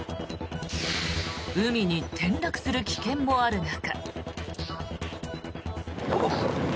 海に転落する危険もある中。